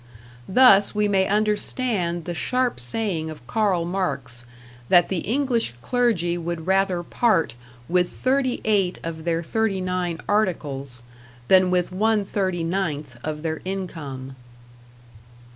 Thus we may understand the sharp saying of Karl Marx, that the English clergy would rather part with thirty eight of their thirty nine articles than with one thirty ninth of their income.